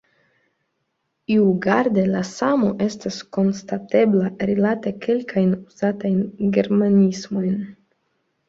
Iugrade la samo estas konstatebla rilate kelkajn uzatajn germanismojn.